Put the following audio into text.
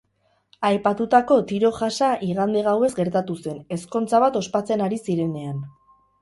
Aipatutako tiro-jasa igande gauez gertatu zen, ezkontza bat ospatzen ari zirenean.